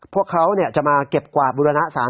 พวกเขาจะมาเก็บกวาดบุรณะสาร